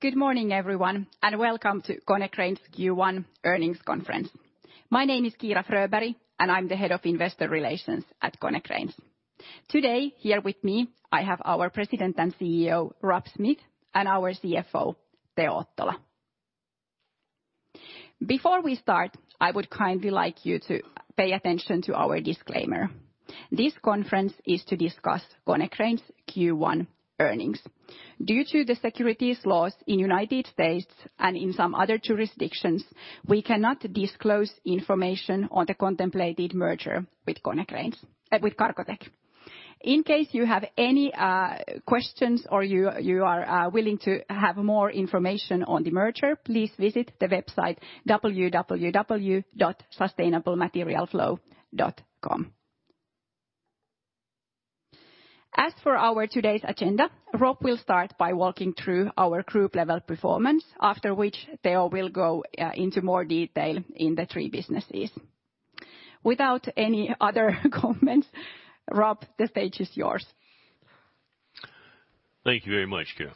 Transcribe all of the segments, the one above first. Good morning, everyone. Welcome to Konecranes Q1 Earnings Conference. My name is Kiira Fröberg. I'm the Head of Investor Relations at Konecranes. Today, here with me, I have our President and CEO, Rob Smith, and our CFO, Teo Ottola. Before we start, I would kindly like you to pay attention to our disclaimer. This conference is to discuss Konecranes Q1 earnings. Due to the securities laws in U.S. and in some other jurisdictions, we cannot disclose information on the contemplated merger with Konecranes with Cargotec. In case you have any questions or you are willing to have more information on the merger, please visit the website www.sustainablematerialflow.com. As for our today's agenda, Rob will start by walking through our group-level performance, after which Teo will go into more detail in the three businesses. Without any other comments, Rob, the stage is yours. Thank you very much, Kiira.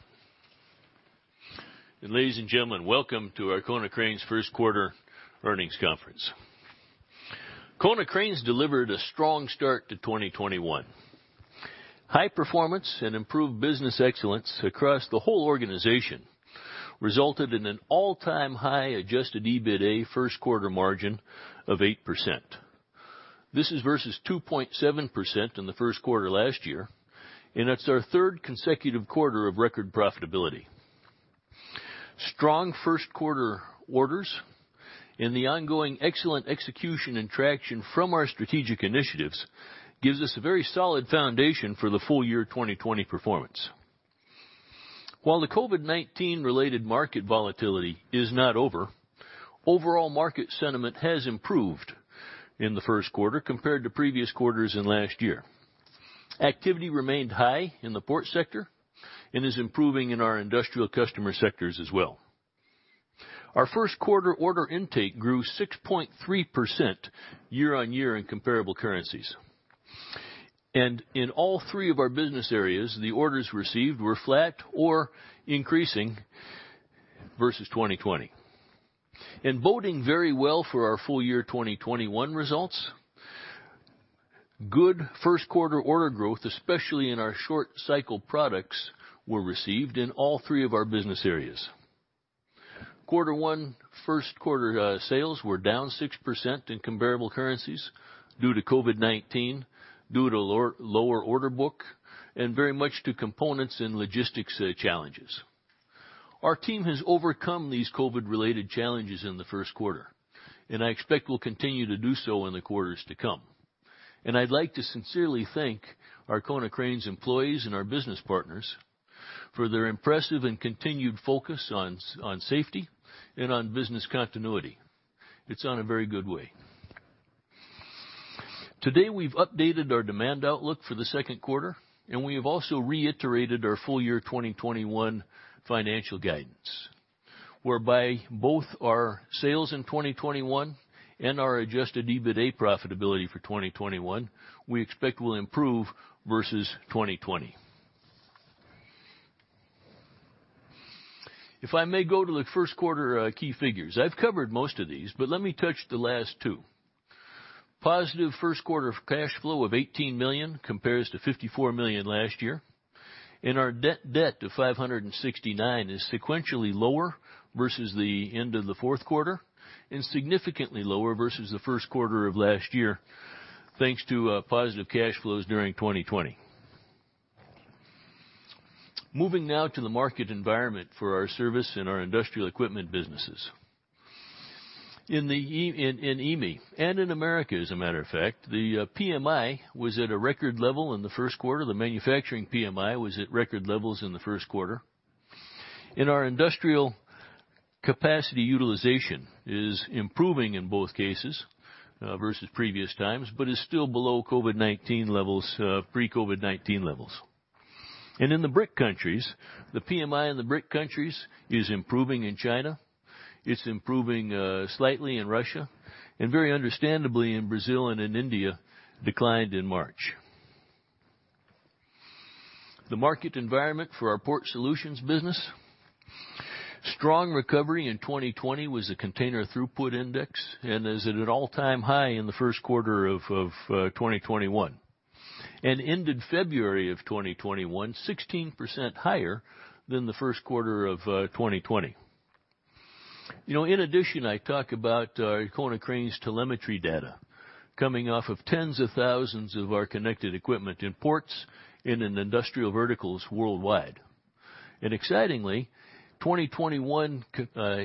Ladies and gentlemen, welcome to our Konecranes first quarter earnings conference. Konecranes delivered a strong start to 2021. High performance and improved business excellence across the whole organization resulted in an all-time high adjusted EBITA first quarter margin of 8%. This is versus 2.7% in the first quarter last year, and it's our third consecutive quarter of record profitability. Strong first quarter orders and the ongoing excellent execution and traction from our strategic initiatives gives us a very solid foundation for the full year 2020 performance. While the COVID-19 related market volatility is not over, overall market sentiment has improved in the first quarter compared to previous quarters and last year. Activity remained high in the port sector and is improving in our industrial customer sectors as well. Our first quarter order intake grew 6.3% year-on-year in comparable currencies. In all three of our business areas, the orders received were flat or increasing versus 2020. Boding very well for our full year 2021 results, good first quarter order growth, especially in our short cycle products, were received in all three of our business areas. Quarter one first quarter sales were down 6% in comparable currencies due to COVID-19, due to lower order book, and very much to components and logistics challenges. Our team has overcome these COVID-related challenges in the first quarter, and I expect will continue to do so in the quarters to come. I'd like to sincerely thank our Konecranes employees and our business partners for their impressive and continued focus on safety and on business continuity. It's on a very good way. Today, we've updated our demand outlook for the second quarter, and we have also reiterated our full year 2021 financial guidance, whereby both our sales in 2021 and our adjusted EBITA profitability for 2021, we expect will improve versus 2020. If I may go to the first quarter key figures. I've covered most of these, but let me touch the last two. Positive first quarter cash flow of 18 million compares to 54 million last year, and our net debt of 569 is sequentially lower versus the end of the fourth quarter and significantly lower versus the first quarter of last year, thanks to positive cash flows during 2020. Moving now to the market environment for our service and our industrial equipment businesses. In EMEA and in America, as a matter of fact, the PMI was at a record level in the first quarter. The manufacturing PMI was at record levels in the first quarter. In our industrial capacity utilization is improving in both cases versus previous times, but is still below pre-COVID-19 levels. In the BRIC countries, the PMI in the BRIC countries is improving in China, it's improving slightly in Russia, and very understandably in Brazil and in India, declined in March. The market environment for our Port Solutions business, strong recovery in 2020 was a container throughput index and is at an all-time high in the first quarter of 2021, and ended February of 2021, 16% higher than the first quarter of 2020. In addition, I talk about Konecranes telemetry data coming off of tens of thousands of our connected equipment in ports in an industrial verticals worldwide. Excitingly, 2021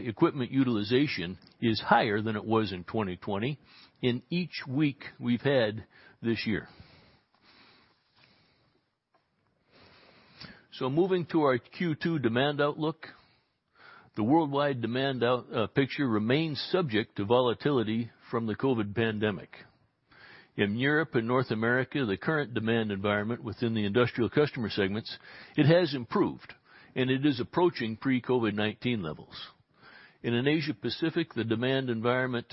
equipment utilization is higher than it was in 2020 in each week we've had this year. Moving to our Q2 demand outlook, the worldwide demand picture remains subject to volatility from the COVID pandemic. In Europe and North America, the current demand environment within the industrial customer segments, it has improved, and it is approaching pre-COVID-19 levels. In Asia Pacific, the demand environment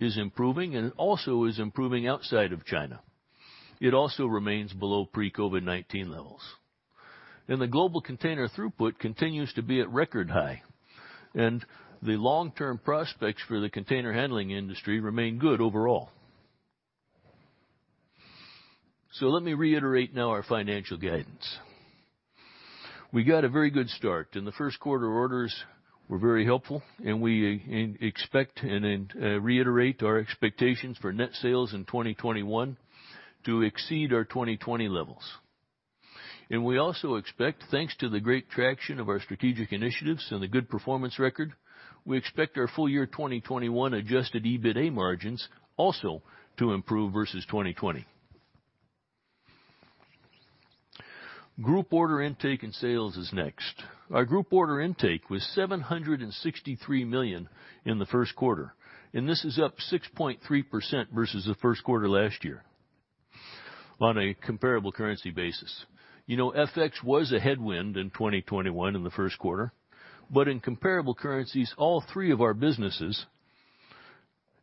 is improving outside of China. It also remains below pre-COVID-19 levels. The global container throughput continues to be at record high, and the long-term prospects for the container handling industry remain good overall. Let me reiterate now our financial guidance. We got a very good start, and the first quarter orders were very helpful, and we expect and reiterate our expectations for net sales in 2021 to exceed our 2020 levels. We also expect, thanks to the great traction of our strategic initiatives and the good performance record, we expect our full year 2021 adjusted EBITA margins also to improve versus 2020. Group order intake and sales is next. Our group order intake was 763 million in the first quarter. This is up 6.3% versus the first quarter last year on a comparable currency basis. FX was a headwind in 2021 in the first quarter, in comparable currencies, all three of our businesses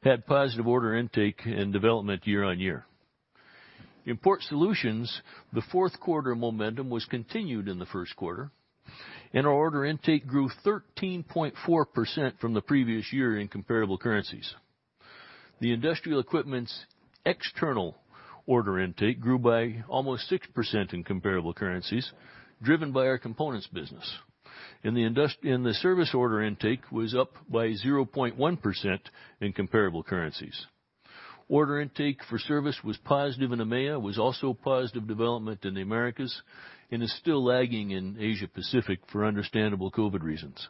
had positive order intake and development year-on-year. In Port Solutions, the fourth quarter momentum was continued in the first quarter. Our order intake grew 13.4% from the previous year in comparable currencies. The industrial equipment's external order intake grew by almost 6% in comparable currencies, driven by our components business. The service order intake was up by 0.1% in comparable currencies. Order intake for service was positive in EMEA, was also a positive development in the Americas, is still lagging in Asia Pacific for understandable COVID reasons.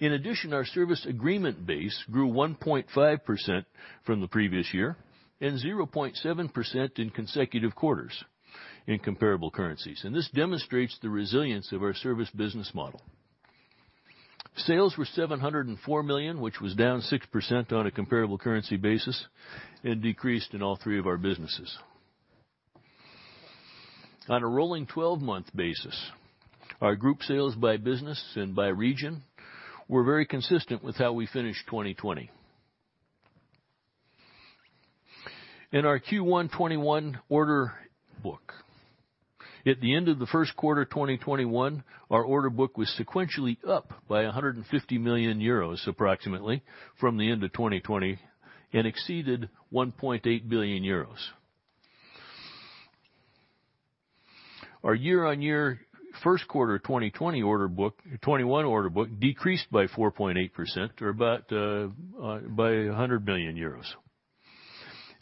In addition, our service agreement base grew 1.5% from the previous year and 0.7% in consecutive quarters in comparable currencies. This demonstrates the resilience of our service business model. Sales were 704 million, which was down 6% on a comparable currency basis and decreased in all three of our businesses. On a rolling 12-month basis, our group sales by business and by region were very consistent with how we finished 2020. In our Q1 2021 order book. At the end of the first quarter 2021, our order book was sequentially up by 150 million euros approximately from the end of 2020 and exceeded 1.8 billion euros. Our year-on-year first quarter 2021 order book decreased by 4.8% or about by 100 million euros.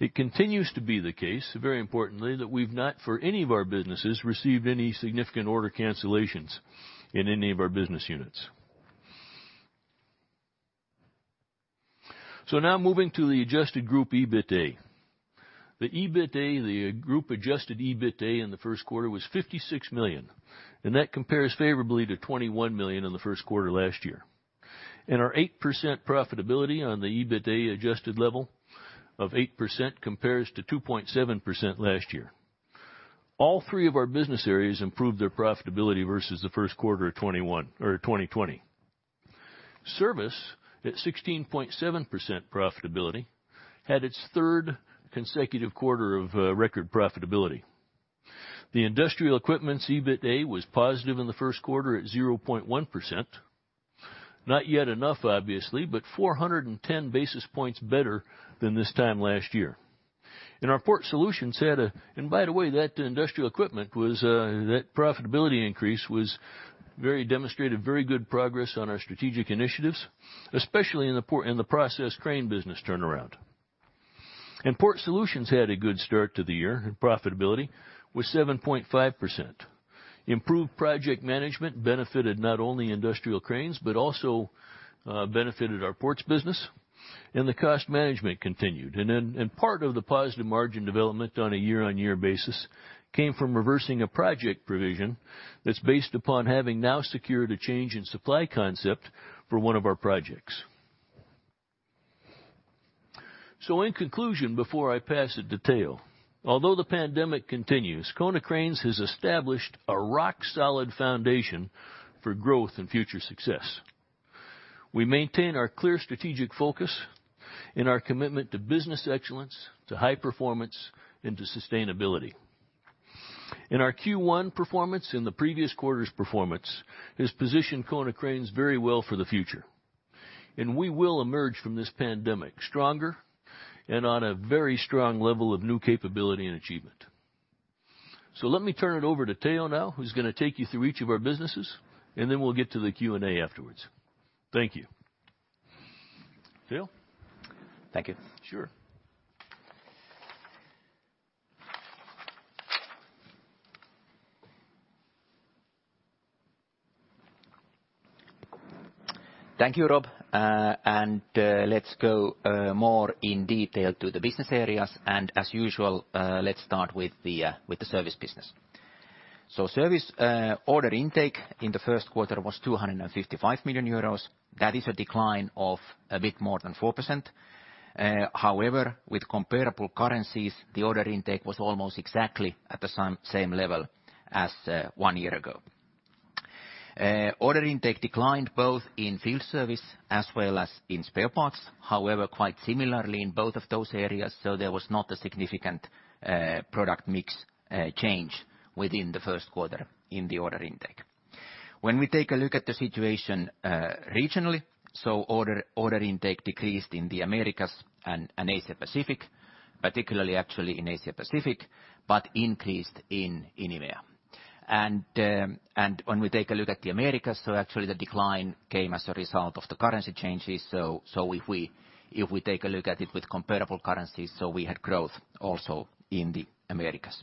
It continues to be the case, very importantly, that we've not, for any of our businesses, received any significant order cancellations in any of our business units. Now moving to the adjusted group EBITA. The group adjusted EBITA in the first quarter was 56 million, and that compares favorably to 21 million in the first quarter last year. Our 8% profitability on the EBITA adjusted level of 8% compares to 2.7% last year. All three of our business areas improved their profitability versus the first quarter of 2020. Service, at 16.7% profitability, had its third consecutive quarter of record profitability. The Industrial Equipment's EBITA was positive in the first quarter at 0.1%. Not yet enough, obviously, but 410 basis points better than this time last year. By the way, that industrial equipment, that profitability increase demonstrated very good progress on our strategic initiatives, especially in the process crane business turnaround. Port Solutions had a good start to the year, profitability was 7.5%. Improved project management benefited not only industrial cranes, but also benefited our ports business, and the cost management continued. Part of the positive margin development on a year-on-year basis came from reversing a project provision that's based upon having now secured a change in supply concept for one of our projects. In conclusion, before I pass it to Teo, although the pandemic continues, Konecranes has established a rock solid foundation for growth and future success. We maintain our clear strategic focus and our commitment to business excellence, to high performance, and to sustainability. Our Q1 performance and the previous quarter's performance has positioned Konecranes very well for the future. We will emerge from this pandemic stronger and on a very strong level of new capability and achievement. Let me turn it over to Teo now, who's going to take you through each of our businesses, and then we'll get to the Q&A afterwards. Thank you. Teo? Thank you. Sure. Thank you, Rob. Let's go more in detail to the business areas. As usual, let's start with the service business. Service order intake in the first quarter was 255 million euros. That is a decline of a bit more than 4%. However, with comparable currencies, the order intake was almost exactly at the same level as one year ago. Order intake declined both in field service as well as in spare parts. However, quite similarly in both of those areas, so there was not a significant product mix change within the first quarter in the order intake. When we take a look at the situation regionally, so order intake decreased in the Americas and Asia-Pacific, particularly actually in Asia-Pacific, but increased in EMEA. When we take a look at the Americas, so actually the decline came as a result of the currency changes. If we take a look at it with comparable currencies, so we had growth also in the Americas.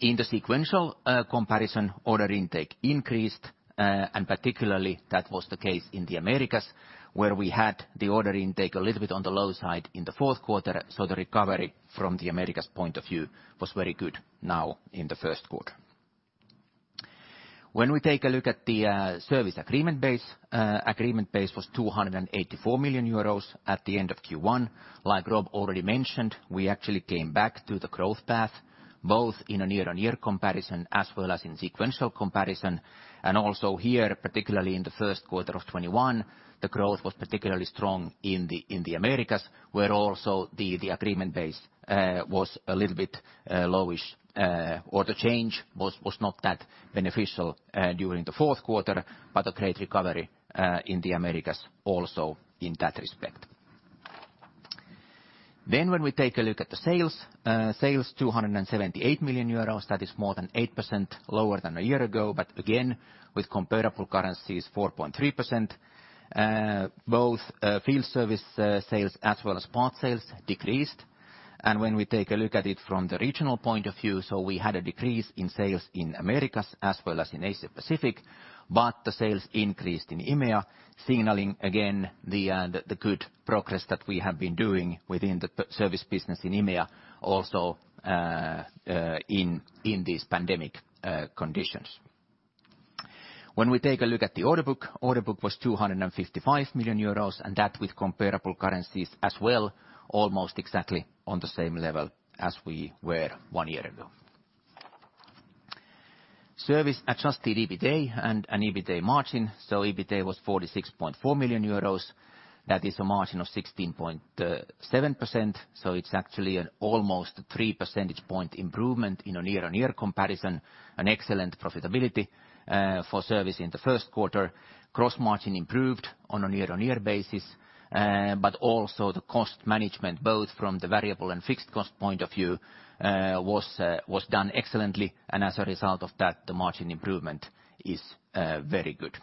In the sequential comparison, order intake increased, and particularly that was the case in the Americas, where we had the order intake a little bit on the low side in the fourth quarter, so the recovery from the Americas point of view was very good now in the first quarter. When we take a look at the service agreement base, agreement base was 284 million euros at the end of Q1. Like Rob already mentioned, we actually came back to the growth path, both in a year-on-year comparison as well as in sequential comparison. Also here, particularly in the first quarter of 2021, the growth was particularly strong in the Americas, where also the agreement base was a little bit lowish, or the change was not that beneficial during the fourth quarter, but a great recovery in the Americas also in that respect. When we take a look at the sales 278 million euros, that is more than 8% lower than a year ago. Again, with comparable currencies, 4.3%. Both field service sales as well as part sales decreased. When we take a look at it from the regional point of view, we had a decrease in sales in Americas as well as in Asia-Pacific, but the sales increased in EMEA, signaling again the good progress that we have been doing within the service business in EMEA also in this pandemic conditions. When we take a look at the order book, order book was 255 million euros. That with comparable currencies as well, almost exactly on the same level as we were one year ago. Service adjusted EBITA and an EBITA margin. EBITA was 46.4 million euros. That is a margin of 16.7%. It's actually an almost three percentage point improvement in a year-on-year comparison, an excellent profitability for service in the first quarter. Gross margin improved on a year-on-year basis. Also the cost management, both from the variable and fixed cost point of view, was done excellently. As a result of that, the margin improvement is very good.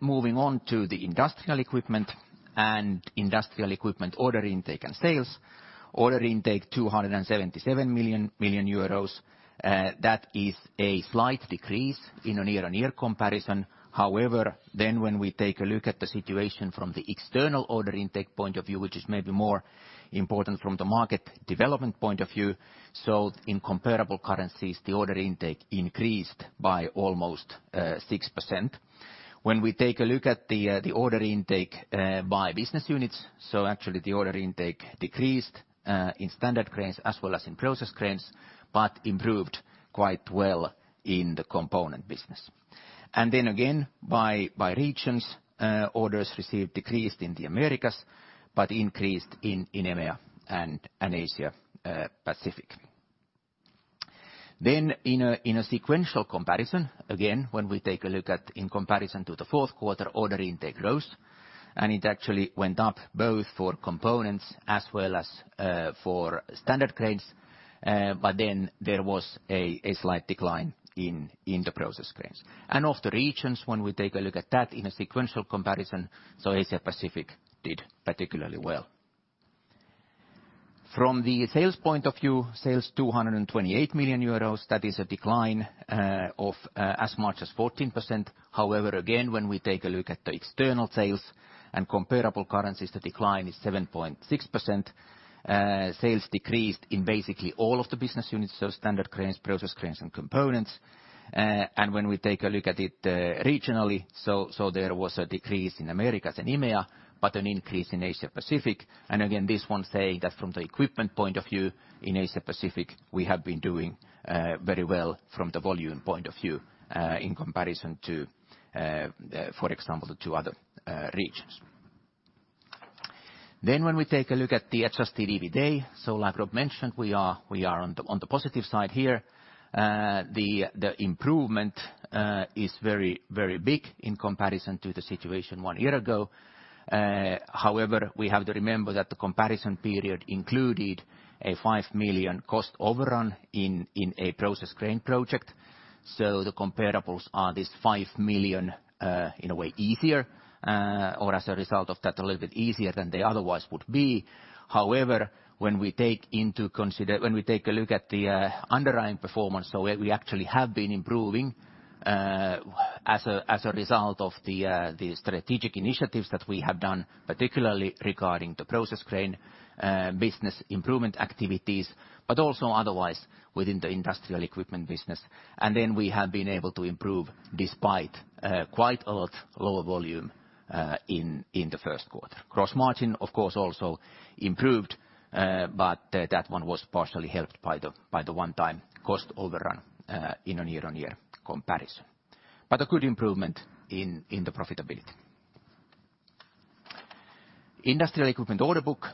Moving on to the industrial equipment and industrial equipment order intake and sales. Order intake 277 million. That is a slight decrease in a year-on-year comparison. When we take a look at the situation from the external order intake point of view, which is maybe more important from the market development point of view, in comparable currencies, the order intake increased by almost 6%. When we take a look at the order intake by business units, actually the order intake decreased in standard cranes as well as in process cranes, but improved quite well in the component business. Again, by regions, orders received decreased in the Americas, but increased in EMEA and Asia-Pacific. In a sequential comparison, again, when we take a look at in comparison to the fourth quarter, order intake rose, it actually went up both for components as well as for standard cranes. There was a slight decline in the process cranes. Of the regions, when we take a look at that in a sequential comparison, Asia-Pacific did particularly well. From the sales point of view, sales 228 million euros. That is a decline of as much as 14%. However, again, when we take a look at the external sales and comparable currencies, the decline is 7.6%. Sales decreased in basically all of the business units, standard cranes, process cranes, and components. When we take a look at it regionally, there was a decrease in Americas and EMEA, but an increase in Asia-Pacific. Again, this one saying that from the equipment point of view in Asia-Pacific, we have been doing very well from the volume point of view in comparison to, for example, the two other regions. When we take a look at the adjusted EBITA, like Rob mentioned, we are on the positive side here. The improvement is very big in comparison to the situation one year ago. However, we have to remember that the comparison period included a 5 million cost overrun in a process crane project. The comparables are this 5 million, in a way easier, or as a result of that, a little bit easier than they otherwise would be. However, when we take a look at the underlying performance, we actually have been improving as a result of the strategic initiatives that we have done, particularly regarding the process crane business improvement activities, but also otherwise within the industrial equipment business. We have been able to improve despite quite a lot lower volume in the first quarter. Gross margin, of course, also improved, but that one was partially helped by the one-time cost overrun in a year-on-year comparison. A good improvement in the profitability. Industrial Equipment order book,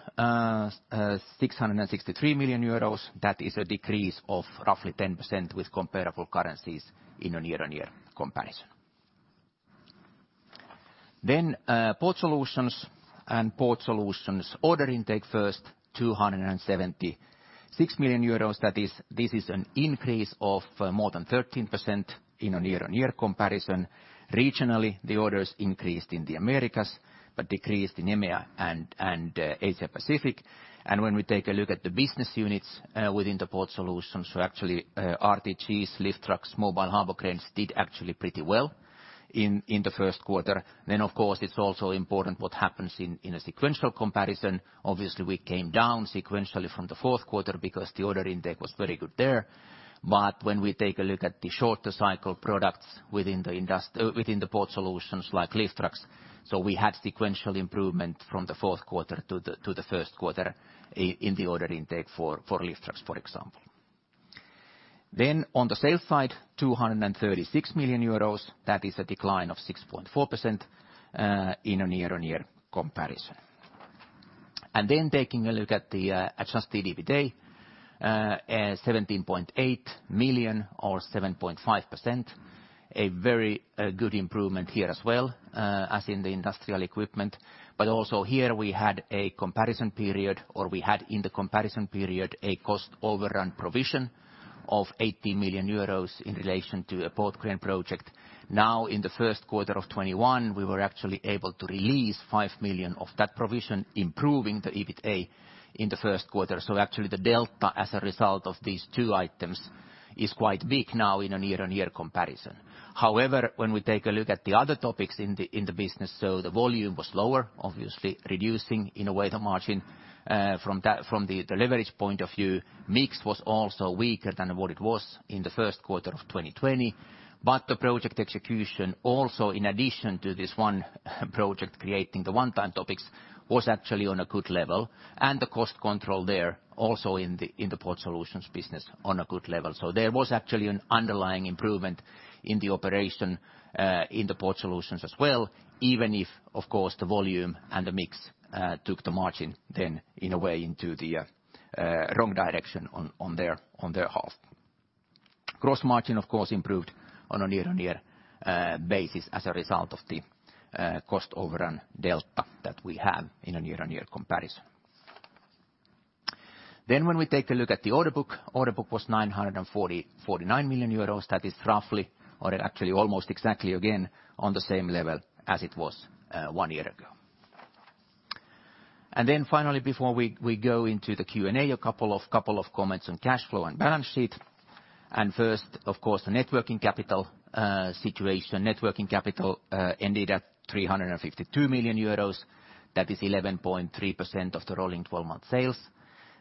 663 million euros. That is a decrease of roughly 10% with comparable currencies in a year-on-year comparison. Port Solutions order intake first, 276 million euros. This is an increase of more than 13% in a year-on-year comparison. Regionally, the orders increased in the Americas but decreased in EMEA and Asia Pacific. When we take a look at the business units within the Port Solutions, actually RTGs, lift trucks, mobile harbor cranes, did actually pretty well in the first quarter. Of course, it's also important what happens in a sequential comparison. Obviously, we came down sequentially from the fourth quarter because the order intake was very good there. When we take a look at the shorter cycle products within the Port Solutions, like lift trucks, we had sequential improvement from the fourth quarter to the first quarter in the order intake for lift trucks, for example. On the sales side, 236 million euros. That is a decline of 6.4% in a year-on-year comparison. Taking a look at the adjusted EBITA, 17.8 million or 7.5%. A very good improvement here as well, as in the industrial equipment. Also here, we had a comparison period, or we had in the comparison period a cost overrun provision of 18 million euros in relation to a port crane project. Now in the first quarter of 2021, we were actually able to release 5 million of that provision, improving the EBITA in the first quarter. Actually the delta as a result of these two items is quite big now in a year-on-year comparison. However, when we take a look at the other topics in the business, so the volume was lower, obviously reducing in a way the margin from the delivery point of view. Mix was also weaker than what it was in the first quarter of 2020. The project execution also, in addition to this one project creating the one-time topics, was actually on a good level, and the cost control there also in the Port Solutions business on a good level. There was actually an underlying improvement in the operation in the Port Solutions as well, even if, of course, the volume and the mix took the margin then in a way into the wrong direction on their half. Gross margin, of course, improved on a year-on-year basis as a result of the cost overrun delta that we have in a year-on-year comparison. When we take a look at the order book, order book was 949 million euros. That is roughly, or actually almost exactly again, on the same level as it was one year ago. Finally, before we go into the Q&A, a couple of comments on cash flow and balance sheet. First, of course, the net working capital situation. Net working capital ended at 352 million euros. That is 11.3% of the rolling 12-month sales.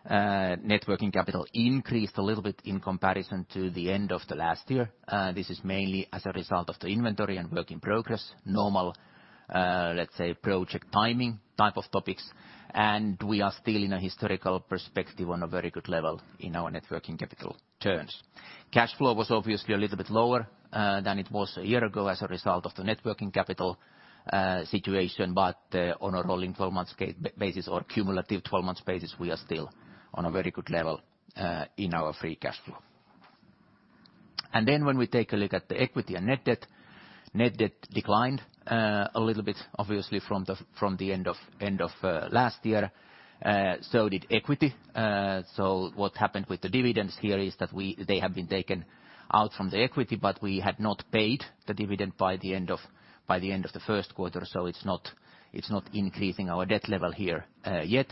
Net working capital increased a little bit in comparison to the end of the last year. This is mainly as a result of the inventory and work in progress. Normal, let's say, project timing type of topics. We are still in a historical perspective on a very good level in our net working capital terms. Cash flow was obviously a little bit lower than it was a year ago as a result of the net working capital situation. On a rolling 12-month basis or cumulative 12-month basis, we are still on a very good level in our free cash flow. When we take a look at the equity and net debt, net debt declined a little bit, obviously from the end of last year. So, the equity. What happened with the dividends here is that they have been taken out from the equity, but we had not paid the dividend by the end of the first quarter, so it's not increasing our debt level here yet.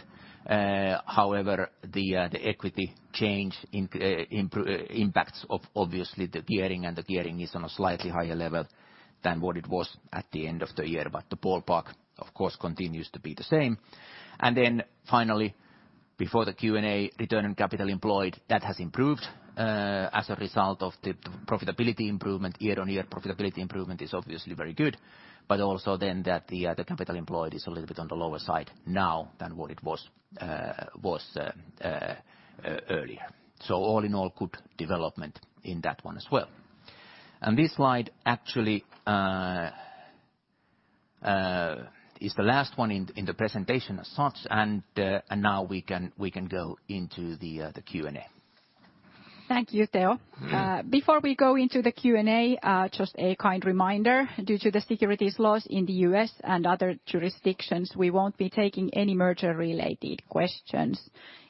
However, the equity change impacts obviously the gearing, and the gearing is on a slightly higher level than what it was at the end of the year. The ballpark, of course, continues to be the same. Finally, before the Q&A, return on capital employed, that has improved as a result of the profitability improvement. Year-on-year profitability improvement is obviously very good. Also that the capital employed is a little bit on the lower side now than what it was earlier. All in all, good development in that one as well. This slide actually is the last one in the presentation as such, and now we can go into the Q&A. Thank you, Teo. Before we go into the Q&A, just a kind reminder, due to the securities laws in the U.S. and other jurisdictions, we won't be taking any merger-related questions.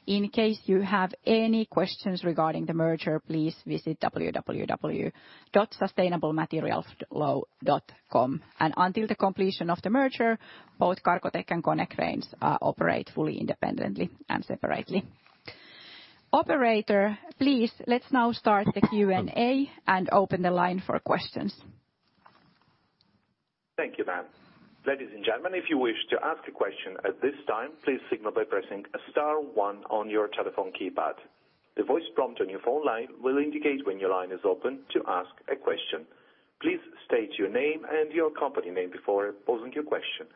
In case you have any questions regarding the merger, please visit www.sustainablematerialflow.com. Until the completion of the merger, both Cargotec and Konecranes operate fully independently and separately. Operator, please, let's now start the Q&A and open the line for questions. Thank you, ma'am. Ladies and gentlemen, if you wish to ask a question at this time, please signal by pressing star one on your telephone keypad. The voice prompt on your phone line will indicate when your line is open to ask a question. Please state your name and your company name before posing your question.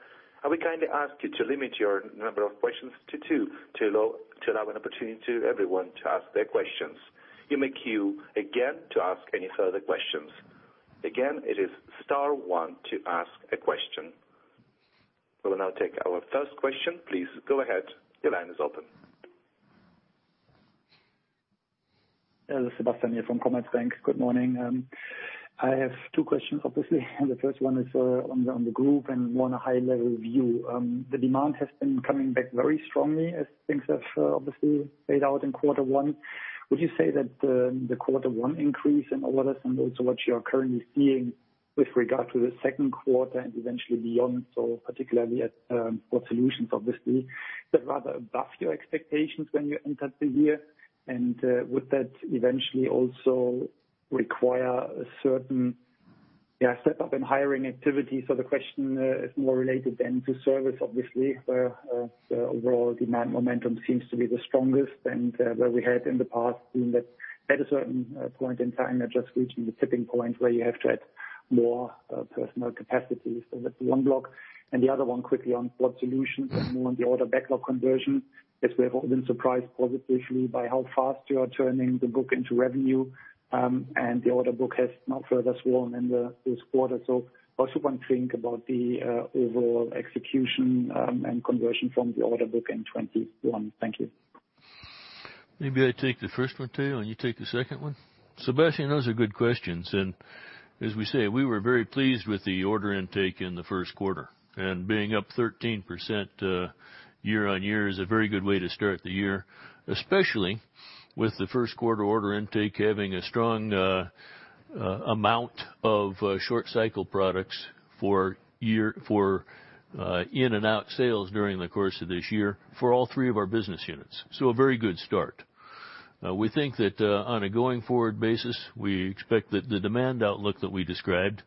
And we kindly ask you to limit your number of questions to two, to allow an opportunity to everyone to ask their questions. You may queue again to ask any further questions. Again, it is star one to ask a question. We will now take our first question. Please go ahead. Your line is open. Hello. Sebastian here from Commerzbank. Good morning. I have two questions, obviously. The first one is on the group and more on a high-level view. The demand has been coming back very strongly as things have obviously played out in quarter one. Would you say that the quarter one increase in orders and also what you're currently seeing with regard to the second quarter and eventually beyond, particularly at Port Solutions, obviously, that rather above your expectations when you entered the year? Would that eventually also require a certain step-up in hiring activity? The question is more related then to service, obviously, where the overall demand momentum seems to be the strongest and where we had in the past seen that at a certain point in time, just reaching the tipping point where you have to add more personal capacity. That's one block. The other one quickly on Port Solutions and more on the order backlog conversion, as we have all been surprised positively by how fast you are turning the book into revenue, and the order book has now further swollen in this quarter. Also want to think about the overall execution and conversion from the order book in 2021. Thank you. Maybe I take the first one, Teo, and you take the second one. Sebastian, those are good questions. As we say, we were very pleased with the order intake in the first quarter. Being up 13% year-on-year is a very good way to start the year, especially with the first quarter order intake having a strong amount of short cycle products for in and out sales during the course of this year for all three of our business units. A very good start. We think that on a going forward basis, we expect that the demand outlook that we described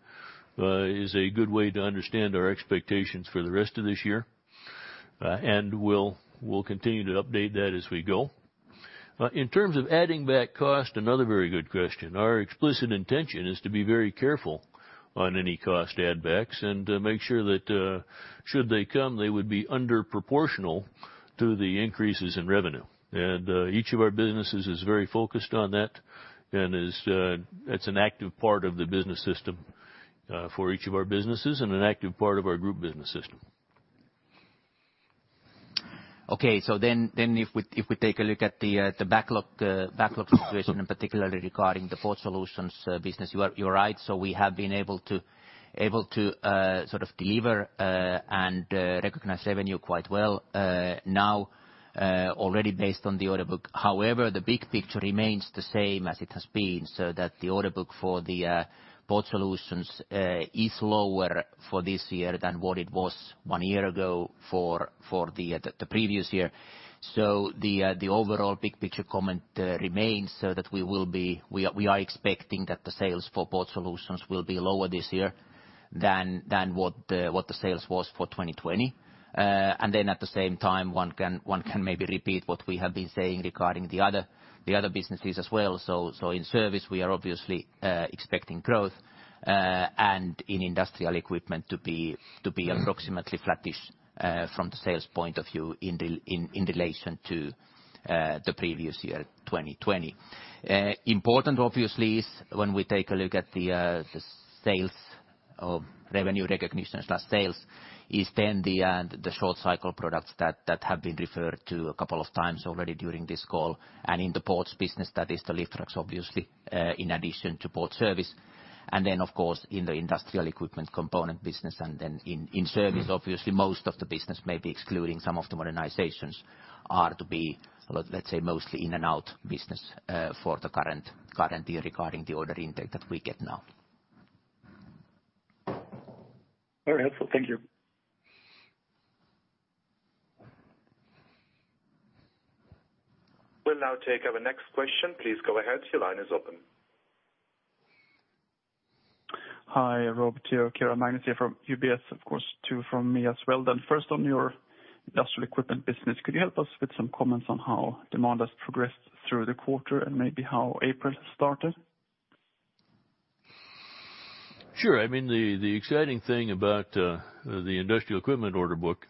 is a good way to understand our expectations for the rest of this year. We'll continue to update that as we go. In terms of adding back cost, another very good question. Our explicit intention is to be very careful on any cost add backs and make sure that should they come, they would be under proportional to the increases in revenue. Each of our businesses is very focused on that and it's an active part of the business system for each of our businesses and an active part of our group business system. If we take a look at the backlog situation, and particularly regarding the Port Solutions business, you are right. We have been able to sort of deliver and recognize revenue quite well now already based on the order book. However, the big picture remains the same as it has been, so that the order book for the Port Solutions is lower for this year than what it was one year ago for the previous year. The overall big picture comment remains so that we are expecting that the sales for Port Solutions will be lower this year than what the sales was for 2020. At the same time, one can maybe repeat what we have been saying regarding the other businesses as well. In service, we are obviously expecting growth, and in industrial equipment to be approximately flattish from the sales point of view in relation to the previous year, 2020. Important obviously is when we take a look at the sales or revenue recognition/sales, is then the short cycle products that have been referred to a couple of times already during this call. In the Port Solutions business, that is the lift trucks, obviously, in addition to port service. Then of course, in the industrial equipment component business and then in service, obviously, most of the business, maybe excluding some of the modernizations are to be, let's say, mostly in and out business for the current year regarding the order intake that we get now. Very helpful. Thank you. We'll now take our next question. Please go ahead. Your line is open. Hi, Rob. Teo. Kruber Magnus here from UBS, of course, two from me as well then. First on your industrial equipment business, could you help us with some comments on how demand has progressed through the quarter and maybe how April started? Sure. I mean, the exciting thing about the industrial equipment order book,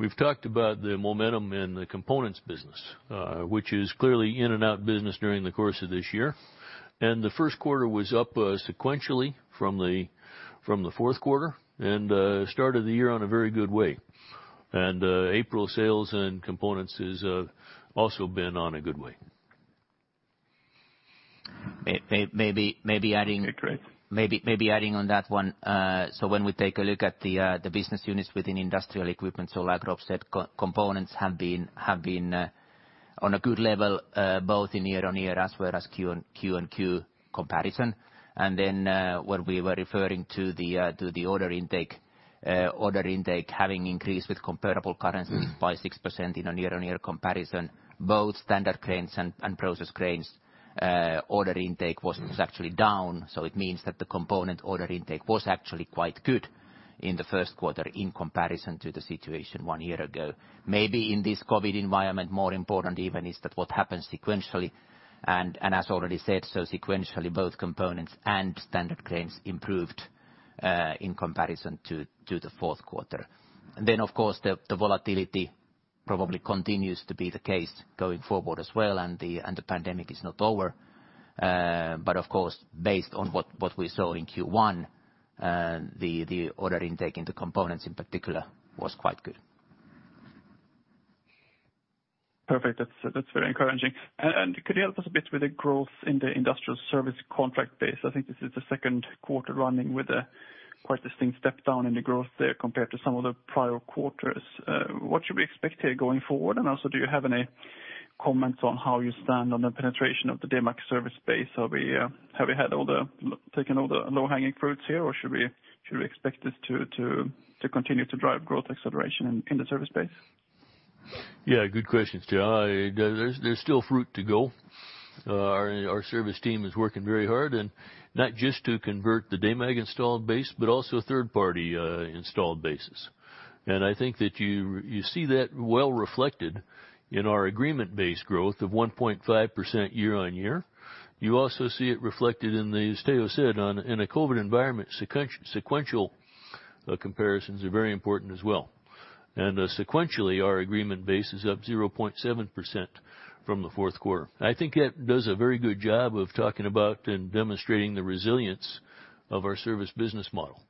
we've talked about the momentum in the components business, which is clearly in and out business during the course of this year. The first quarter was up sequentially from the fourth quarter and started the year on a very good way. April sales and components has also been on a good way. Maybe adding- Okay, great. maybe adding on that one. When we take a look at the business units within industrial equipment, like Rob said, components have been on a good level both in year-over-year as well as Q on Q comparison. When we were referring to the order intake having increased with comparable currency by 6% in a year-over-year comparison, both standard cranes and process cranes. Order intake was actually down. It means that the component order intake was actually quite good in the first quarter in comparison to the situation one year ago. Maybe in this COVID-19 environment, more important even is that what happens sequentially and as already said, sequentially both components and standard cranes improved, in comparison to the fourth quarter. Of course, the volatility probably continues to be the case going forward as well. The pandemic is not over. Of course, based on what we saw in Q1, the order intake into components in particular was quite good. Perfect. That's very encouraging. Could you help us a bit with the growth in the industrial service contract base? I think this is the second quarter running with a quite distinct step down in the growth there compared to some of the prior quarters. What should we expect here going forward? Do you have any comments on how you stand on the penetration of the Demag service base? Have you taken all the low-hanging fruits here, or should we expect this to continue to drive growth acceleration in the service base? Yeah, good questions. There is still fruit to go. Our service team is working very hard and not just to convert the Demag installed base, but also third-party installed bases. I think that you see that well reflected in our agreement-based growth of 1.5% year-on-year. You also see it reflected in, as Teo said, in a COVID-19 environment, sequential comparisons are very important as well. Sequentially, our agreement base is up 0.7% from the fourth quarter. I think that does a very good job of talking about and demonstrating the resilience of our service business model.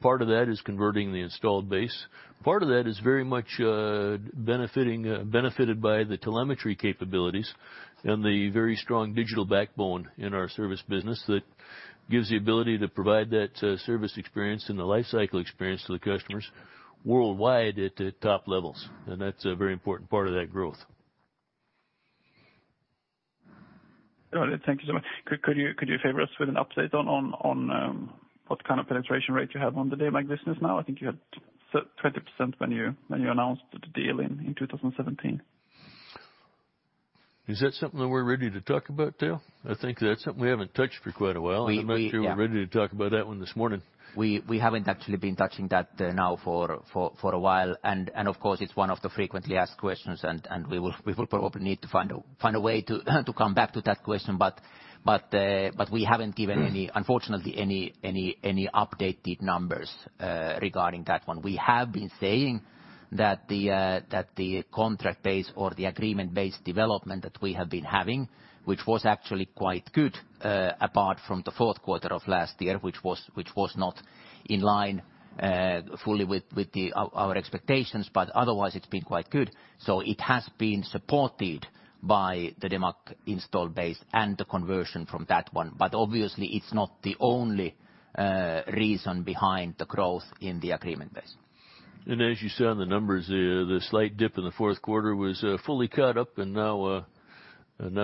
Part of that is converting the installed base. Part of that is very much benefited by the telemetry capabilities and the very strong digital backbone in our service business that gives the ability to provide that service experience and the life cycle experience to the customers worldwide at top levels. That's a very important part of that growth. All right. Thank you so much. Could you favor us with an update on what kind of penetration rate you have on the Demag business now? I think you had 20% when you announced the deal in 2017. Is that something that we're ready to talk about, Teo? I think that's something we haven't touched for quite a while. We- I'm not sure we're ready to talk about that one this morning. We haven't actually been touching that now for a while. Of course, it's one of the frequently asked questions, and we will probably need to find a way to come back to that question, but we haven't given unfortunately, any updated numbers regarding that one. We have been saying that the contract base or the agreement base development that we have been having, which was actually quite good, apart from the fourth quarter of last year, which was not in line fully with our expectations, but otherwise it's been quite good. It has been supported by the Demag install base and the conversion from that one. Obviously it's not the only reason behind the growth in the agreement base. As you saw in the numbers, the slight dip in the fourth quarter was fully caught up and now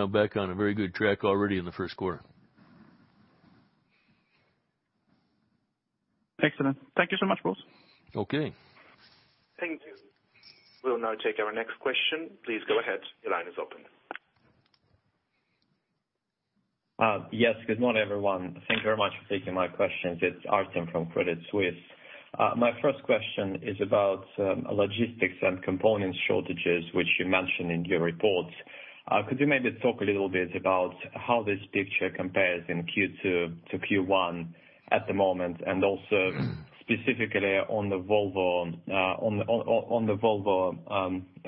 back on a very good track already in the first quarter. Excellent. Thank you so much, boss. Okay. Thank you. We'll now take our next question. Please go ahead. Yes. Good morning, everyone. Thank you very much for taking my questions. It is Artem from Credit Suisse. My first question is about logistics and component shortages, which you mentioned in your reports. Could you maybe talk a little bit about how this picture compares in Q2 to Q1 at the moment? Also, specifically on the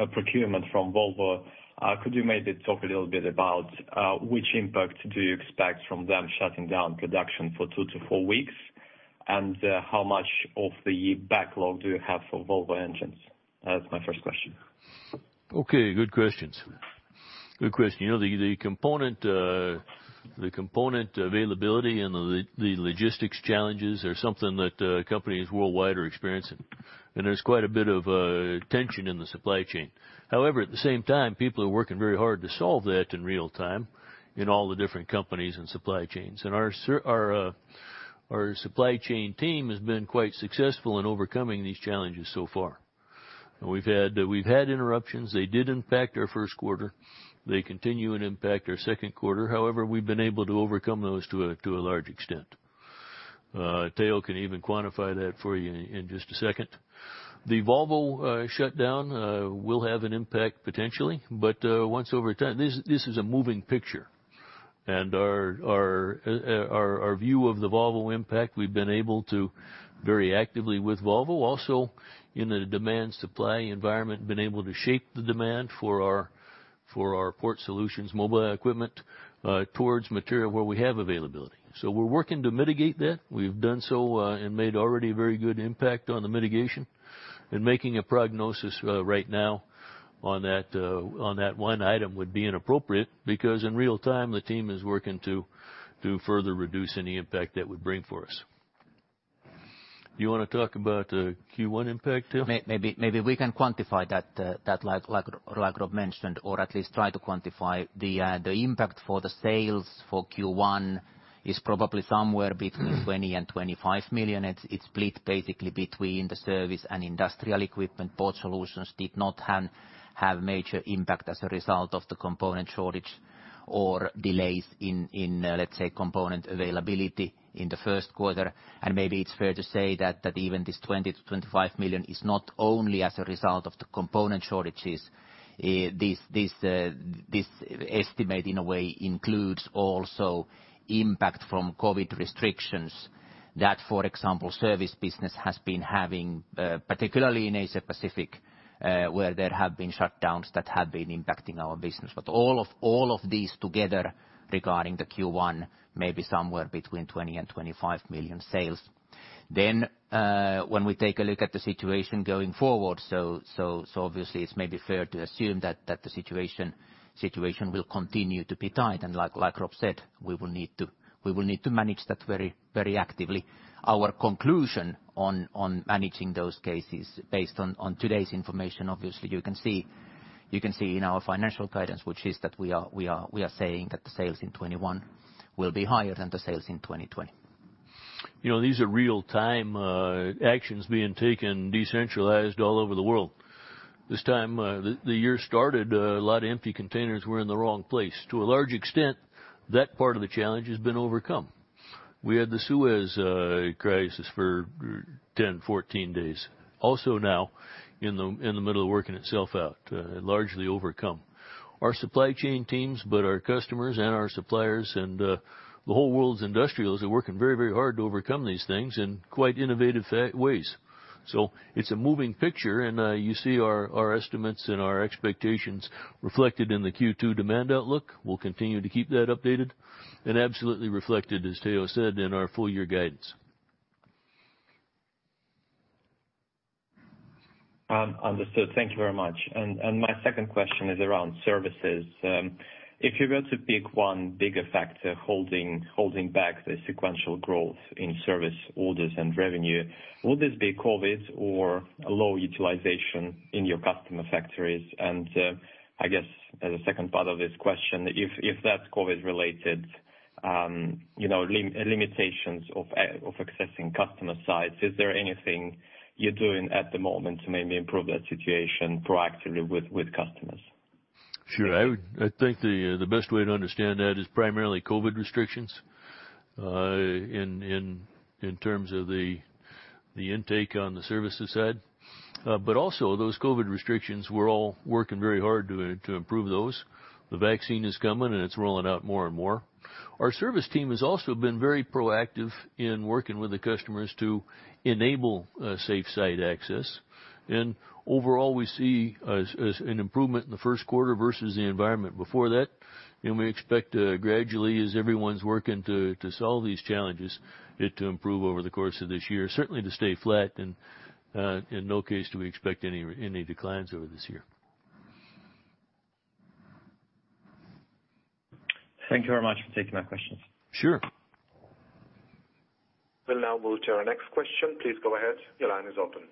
procurement from Volvo, could you maybe talk a little bit about which impact do you expect from them shutting down production for two-four weeks? How much of the backlog do you have for Volvo engines? That is my first question. Okay. Good questions. The component availability and the logistics challenges are something that companies worldwide are experiencing, and there's quite a bit of tension in the supply chain. However, at the same time, people are working very hard to solve that in real time in all the different companies and supply chains. Our supply chain team has been quite successful in overcoming these challenges so far. We've had interruptions. They did impact our first quarter. They continue and impact our second quarter. However, we've been able to overcome those to a large extent. Teo can even quantify that for you in just a second. The Volvo shutdown will have an impact, potentially, but once over time, this is a moving picture and our view of the Volvo impact, we've been able to very actively with Volvo, also in a demand supply environment, been able to shape the demand for our Port Solutions mobile equipment, towards material where we have availability. We're working to mitigate that. We've done so, and made already a very good impact on the mitigation and making a prognosis right now on that one item would be inappropriate because in real time, the team is working to further reduce any impact that would bring for us. You want to talk about the Q1 impact, Teo? Maybe we can quantify that, like Rob mentioned, or at least try to quantify the impact for the sales for Q1 is probably somewhere between 20 million and 25 million. It's split basically between the service and industrial equipment. Port Solutions did not have major impact as a result of the component shortage or delays in, let's say, component availability in the first quarter. Maybe it's fair to say that even this 20 million to 25 million is not only as a result of the component shortages. This estimate, in a way, includes also impact from COVID restrictions that, for example, service business has been having, particularly in Asia-Pacific, where there have been shutdowns that have been impacting our business. All of these together regarding the Q1, may be somewhere between 20 million and 25 million sales. When we take a look at the situation going forward, obviously it's maybe fair to assume that the situation will continue to be tight. Like Rob said, we will need to manage that very actively. Our conclusion on managing those cases, based on today's information, obviously, you can see in our financial guidance, which is that we are saying that the sales in 2021 will be higher than the sales in 2020. These are real-time actions being taken, decentralized all over the world. This time, the year started, a lot of empty containers were in the wrong place. To a large extent, that part of the challenge has been overcome. We had the Suez crisis for 10, 14 days. Now in the middle of working itself out, largely overcome. Our supply chain teams, but our customers and our suppliers and the whole world's industrials are working very hard to overcome these things in quite innovative ways. It's a moving picture, and you see our estimates and our expectations reflected in the Q2 demand outlook. We'll continue to keep that updated and absolutely reflected, as Teo said, in our full year guidance. Understood. Thank you very much. My second question is around services. If you were to pick one bigger factor holding back the sequential growth in service orders and revenue, would this be COVID or low utilization in your customer factories? I guess as a second part of this question, if that's COVID related, limitations of accessing customer sites, is there anything you're doing at the moment to maybe improve that situation proactively with customers? Sure. I think the best way to understand that is primarily COVID restrictions in terms of the intake on the services side. Also those COVID restrictions, we're all working very hard to improve those. The vaccine is coming, and it's rolling out more and more. Our service team has also been very proactive in working with the customers to enable safe site access. Overall, we see an improvement in the first quarter versus the environment before that. We expect gradually as everyone's working to solve these challenges, it to improve over the course of this year. Certainly to stay flat and, in no case do we expect any declines over this year. Thank you very much for taking my questions. Sure. We'll now move to our next question. Please go ahead. Your line is open.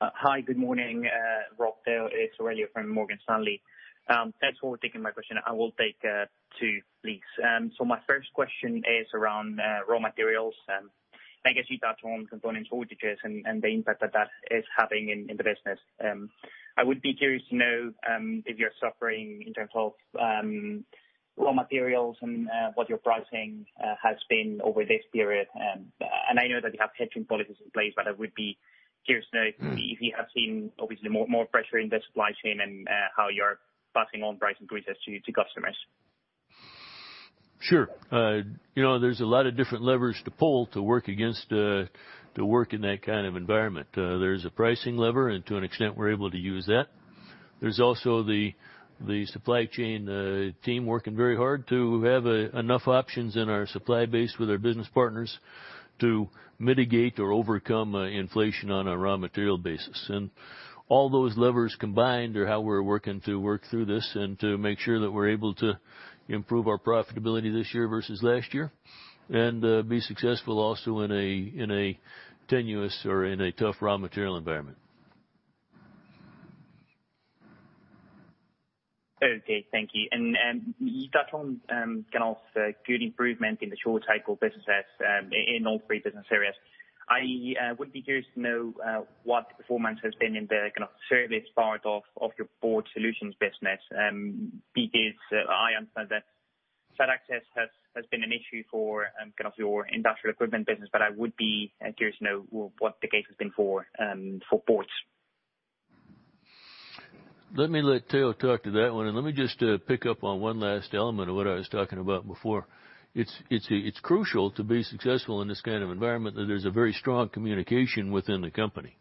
Hi, good morning. Rob, Teo, it's Aurelio from Morgan Stanley. Thanks for taking my question. I will take two, please. My first question is around raw materials, and I guess you touched on components shortages and the impact that that is having in the business. I would be curious to know if you're suffering in terms of raw materials and what your pricing has been over this period. I know that you have hedging policies in place, but I would be curious to know if you have seen obviously more pressure in the supply chain and how you're passing on price increases to customers. Sure. There's a lot of different levers to pull to work in that kind of environment. There's a pricing lever, and to an extent, we're able to use that. There's also the supply chain team working very hard to have enough options in our supply base with our business partners to mitigate or overcome inflation on a raw material basis. All those levers combined are how we're working to work through this and to make sure that we're able to improve our profitability this year versus last year, and be successful also in a tenuous or in a tough raw material environment. Okay, thank you. You touched on good improvement in the short cycle businesses in all three business areas. I would be curious to know what the performance has been in the service part of your Port Solutions business, because I understand that site access has been an issue for your industrial equipment business, but I would be curious to know what the case has been for ports. Let me let Teo talk to that one, and let me just pick up on one last element of what I was talking about before. It's crucial to be successful in this kind of environment, that there's a very strong communication within the company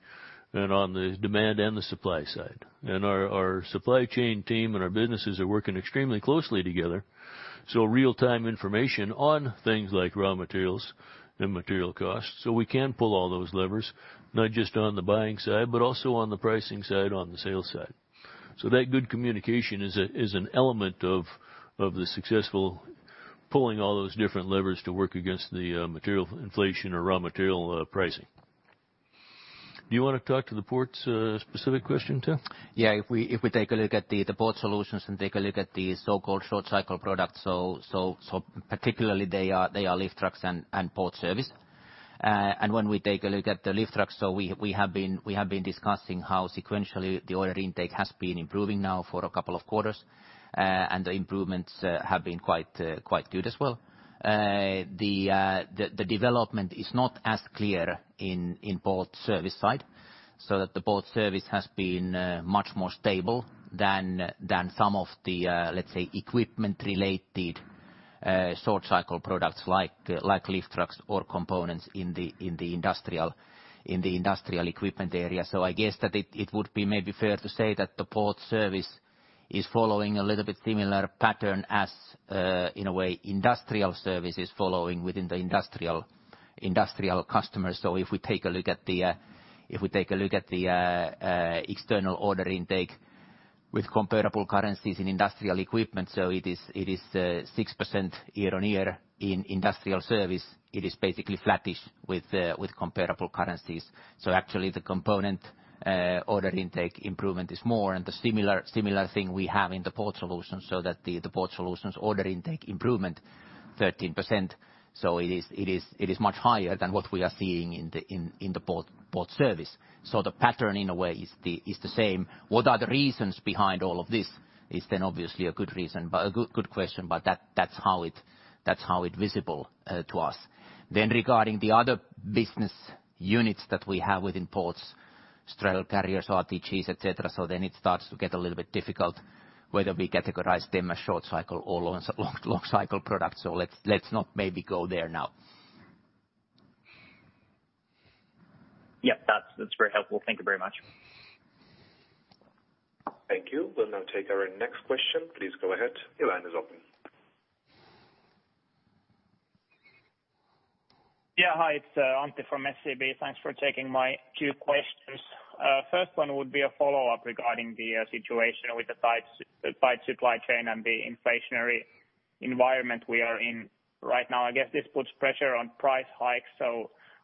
and on the demand and the supply side. Our supply chain team and our businesses are working extremely closely together. Real-time information on things like raw materials and material costs, so we can pull all those levers, not just on the buying side, but also on the pricing side, on the sales side. That good communication is an element of the successful pulling all those different levers to work against the material inflation or raw material pricing. Do you want to talk to the ports specific question, Teo? Yeah. If we take a look at the Port Solutions and take a look at the so-called short cycle product, particularly they are lift trucks and port service. When we take a look at the lift trucks, we have been discussing how sequentially the order intake has been improving now for a couple of quarters. The improvements have been quite good as well. The development is not as clear in port service side. That the port service has been much more stable than some of the, let's say, equipment-related short cycle products like lift trucks or components in the industrial equipment area. I guess that it would be maybe fair to say that the port service is following a little bit similar pattern as, in a way, industrial service is following within the industrial customers. If we take a look at the external order intake with comparable currencies in industrial equipment, it is 6% year-on-year. In industrial service, it is basically flattish with comparable currencies. Actually the component order intake improvement is more, and the similar thing we have in the Port Solutions, the Port Solutions order intake improvement 13%. It is much higher than what we are seeing in the port service. The pattern, in a way, is the same. What are the reasons behind all of this is obviously a good question, but that's how it visible to us. Regarding the other business units that we have within ports, straddle carriers, RTGs, et cetera, it starts to get a little bit difficult whether we categorize them as short cycle or long cycle products. Let's not maybe go there now. Yep. That's very helpful. Thank you very much. Thank you. We'll now take our next question. Please go ahead. Yeah. Hi, it's Antti from SEB. Thanks for taking my two questions. First one would be a follow-up regarding the situation with the tight supply chain and the inflationary environment we are in right now. I guess this puts pressure on price hikes.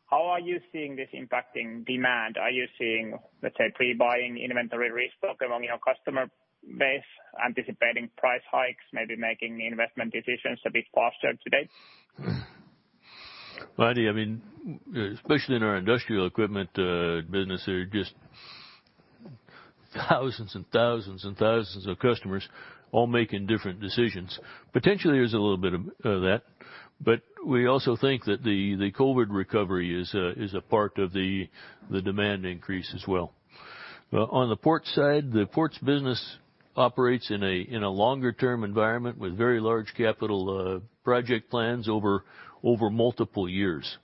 How are you seeing this impacting demand? Are you seeing, let's say, pre-buying inventory restock among your customer base, anticipating price hikes, maybe making investment decisions a bit faster today? Antti, especially in our industrial equipment business, there are just thousands and thousands and thousands of customers all making different decisions. Potentially, there's a little bit of that. We also think that the COVID-19 recovery is a part of the demand increase as well. On the port side, the ports business operates in a longer-term environment with very large capital project plans over multiple years.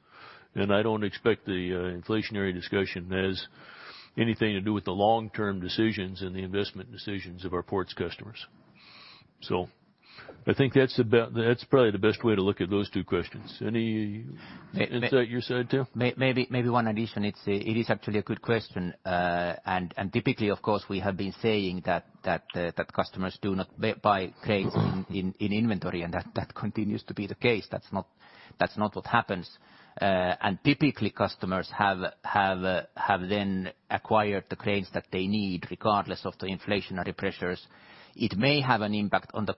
I don't expect the inflationary discussion has anything to do with the long-term decisions and the investment decisions of our ports customers. I think that's probably the best way to look at those two questions. Any insight your side, Teo? Maybe one addition. It is actually a good question. Typically, of course, we have been saying that customers do not buy cranes in inventory, and that continues to be the case. That's not what happens. Typically, customers have then acquired the cranes that they need, regardless of the inflationary pressures. It may have an impact on the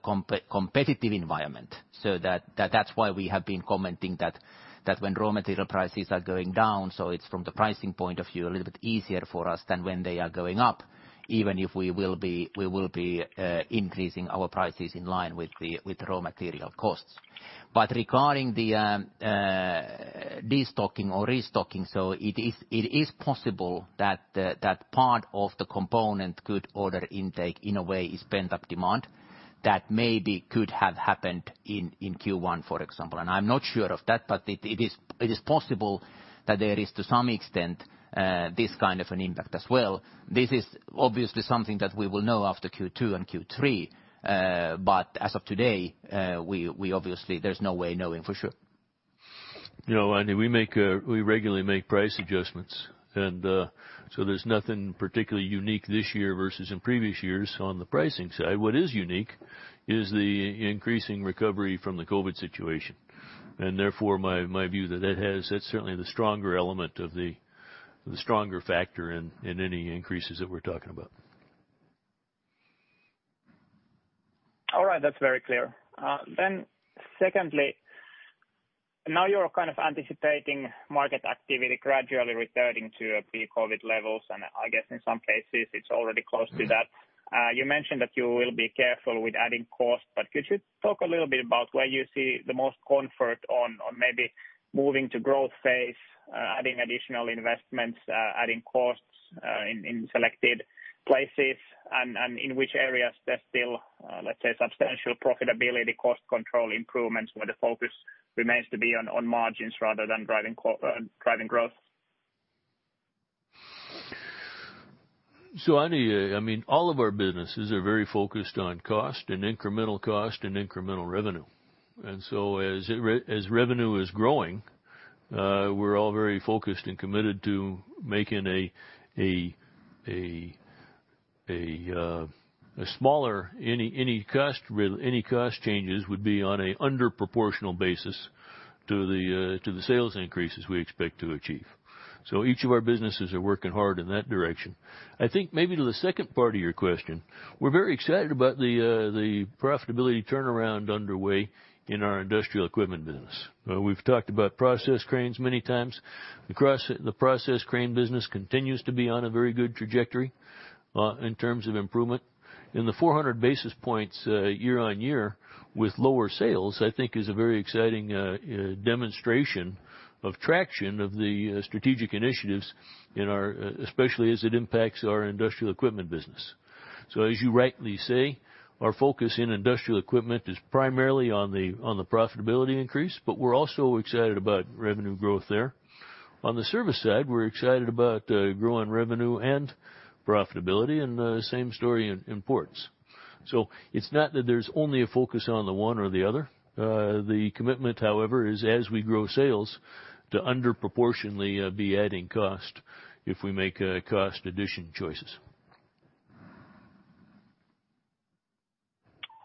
competitive environment. That's why we have been commenting that when raw material prices are going down, so it's from the pricing point of view, a little bit easier for us than when they are going up, even if we will be increasing our prices in line with raw material costs. Regarding the de-stocking or restocking, it is possible that, that part of the component good order intake, in a way, is pent-up demand that maybe could have happened in Q1, for example. I'm not sure of that, but it is possible that there is, to some extent, this kind of an impact as well. This is obviously something that we will know after Q2 and Q3. As of today, obviously, there's no way of knowing for sure. Antti, we regularly make price adjustments. There's nothing particularly unique this year versus in previous years on the pricing side. What is unique is the increasing recovery from the COVID-19 situation. Therefore, my view that's certainly the stronger element of the stronger factor in any increases that we're talking about. All right. That's very clear. Secondly, now you're kind of anticipating market activity gradually returning to pre-COVID-19 levels, and I guess in some cases it's already close to that. You mentioned that you will be careful with adding cost, but could you talk a little bit about where you see the most comfort on maybe moving to growth phase, adding additional investments, adding costs in selected places and in which areas there's still, let's say, substantial profitability, cost control improvements, where the focus remains to be on margins rather than driving growth? Antti, all of our businesses are very focused on cost and incremental cost and incremental revenue. As revenue is growing, we're all very focused and committed to making any cost changes would be on an under proportional basis to the sales increases we expect to achieve. Each of our businesses are working hard in that direction. I think maybe to the second part of your question, we're very excited about the profitability turnaround underway in our Industrial Equipment business. We've talked about process cranes many times. The process crane business continues to be on a very good trajectory in terms of improvement. The 400-basis points year-over-year with lower sales, I think is a very exciting demonstration of traction of the strategic initiatives, especially as it impacts our Industrial Equipment business. As you rightly say, our focus in industrial equipment is primarily on the profitability increase, but we're also excited about revenue growth there. On the Service side, we're excited about growing revenue and profitability and same story in Ports. It's not that there's only a focus on the one or the other. The commitment, however, is as we grow sales to under proportionally be adding cost if we make cost addition choices.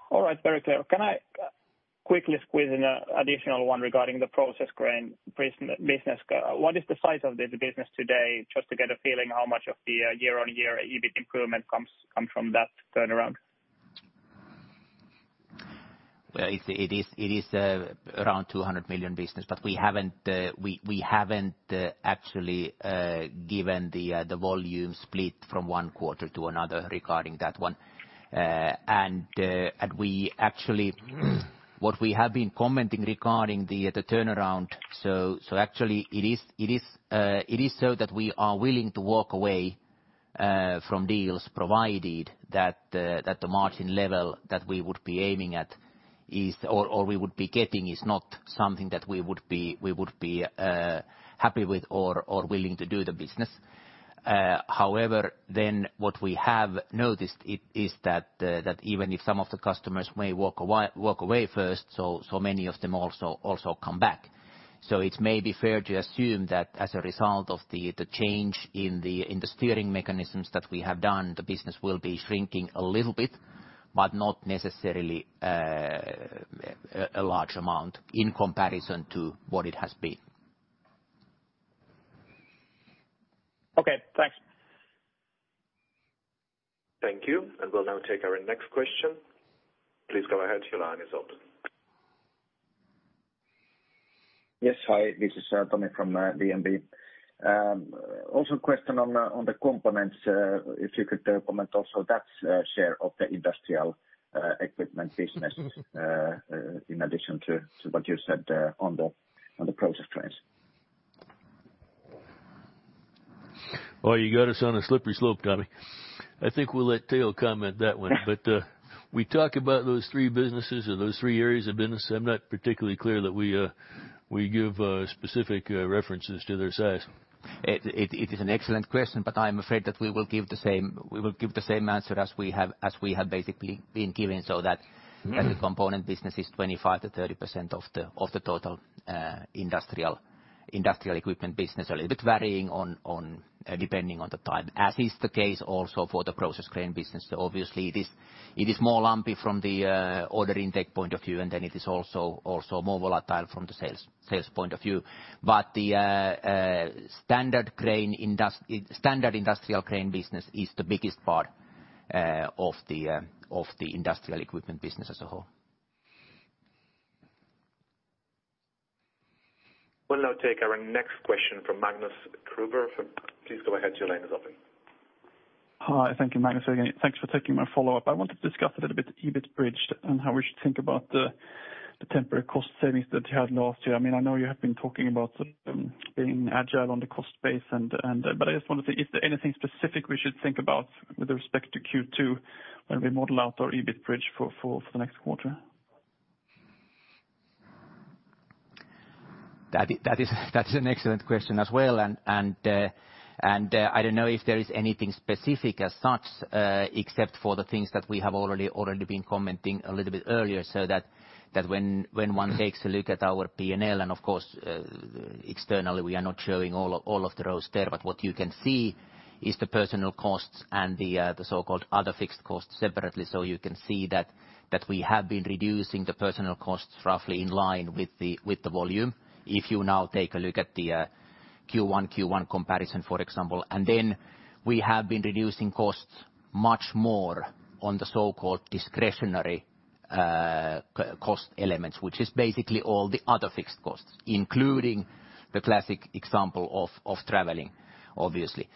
All right. Very clear. Can I quickly squeeze in additional one regarding the process crane business? What is the size of the business today just to get a feeling how much of the year-on-year EBIT improvement comes from that turnaround? It is around 200 million business, but we haven't actually given the volume split from one quarter to another regarding that one. What we have been commenting regarding the turnaround. Actually it is so that we are willing to walk away from deals provided that the margin level that we would be aiming at or we would be getting is not something that we would be happy with or willing to do the business. However, what we have noticed is that even if some of the customers may walk away first, many of them also come back. It may be fair to assume that as a result of the change in the steering mechanisms that we have done, the business will be shrinking a little bit, but not necessarily a large amount in comparison to what it has been. Okay, thanks. Thank you. We'll now take our next question. Please go ahead. Your line is open. Yes, hi, this is Tommy from DNB. Question on the components, if you could comment also that share of the industrial equipment business in addition to what you said on the process cranes. You got us on a slippery slope, Tommy. I think we'll let Teo comment that one, we talk about those three businesses or those three areas of business. I'm not particularly clear that we give specific references to their size. It is an excellent question. I'm afraid that we will give the same answer as we have basically been giving so that the component business is 25%-30% of the total industrial equipment business, a little bit varying depending on the time, as is the case also for the process crane business. It is more lumpy from the order intake point of view. It is also more volatile from the sales point of view. The standard industrial crane business is the biggest part of the industrial equipment business as a whole. We'll now take our next question from Magnus Kruber. Please go ahead, your line is open. Hi. Thank you. Magnus again. Thanks for taking my follow-up. I wanted to discuss a little bit EBIT bridge and how we should think about the temporary cost savings that you had last year. I know you have been talking about being agile on the cost base, but I just want to see if there anything specific we should think about with respect to Q2 when we model out our EBIT bridge for the next quarter. That's an excellent question as well. I don't know if there is anything specific as such except for the things that we have already been commenting a little bit earlier, so that when one takes a look at our P&L, and of course externally, we are not showing all of the rows there. What you can see is the personnel costs and the so-called other fixed costs separately. You can see that we have been reducing the personnel costs roughly in line with the volume. If you now take a look at the Q1 comparison, for example, we have been reducing costs much more on the so-called discretionary cost elements, which is basically all the other fixed costs, including the classic example of traveling, obviously.